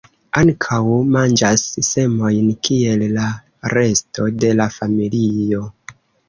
Ankaŭ manĝas semojn, kiel la resto de la familio.